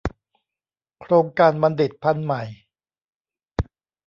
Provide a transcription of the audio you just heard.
โครงการบัณฑิตพันธุ์ใหม่